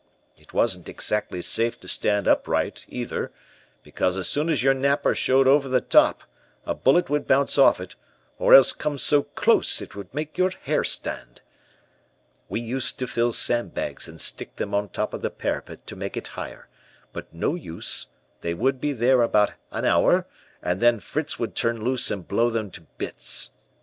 It wasn't exactly safe to stand upright either, because as soon as your napper showed over the top, a bullet would bounce off it, or else come so close it would make your hair stand. "We used to fill sandbags and stick them on top of the parapet to make it higher, but no use, they would be there about an hour, and then Fritz would turn loose and blow them to bits.